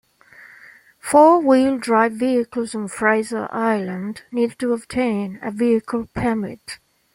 Four-wheel drive vehicles on Fraser Island need to obtain a vehicle permit.